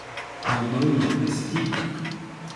Но, Долли, прости!